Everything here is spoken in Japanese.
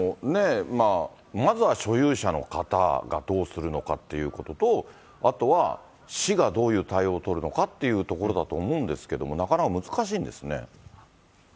まずは所有者の方がどうするのかっていうことと、あとは市がどういう対応を取るのかっていうところだと思うんですけれども、なかなか難しいんですね。